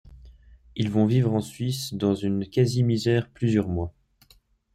Ils vont vivre en Suisse dans une quasi-misère plusieurs mois.